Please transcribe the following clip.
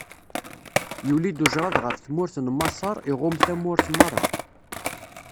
Yuli-d ujṛad ɣef tmurt n Maṣer, iɣumm tamurt meṛṛa.